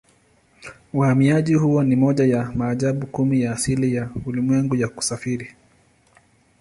Uhamiaji huo ni moja ya maajabu kumi ya asili ya ulimwengu ya kusafiri.